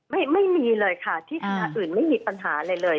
ไม่มีเลยค่ะที่คณะอื่นไม่มีปัญหาอะไรเลย